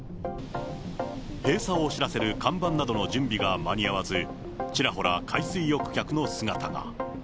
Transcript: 閉鎖を知らせる看板などの準備が間に合わず、ちらほら海水浴客の姿が。